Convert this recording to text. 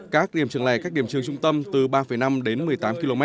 các điểm trường này cách điểm trường trung tâm từ ba năm đến một mươi tám km